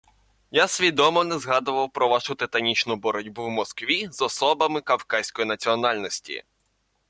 Я свідомо не згадував про вашу титанічну боротьбу в Москві з «особами кавказької національності»